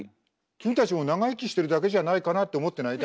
君たちも長生きしてるだけじゃないかなって思ってない？